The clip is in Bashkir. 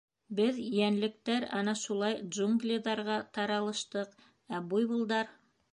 Беҙ, йәнлектәр, ана шулай джунглиҙарға таралыштыҡ, ә буйволдар...